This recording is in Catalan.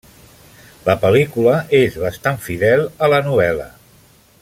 La pel·lícula és bastant fidel a la novel·la.